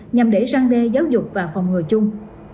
nhằm để răng đe giáo dục và phòng ngừa chung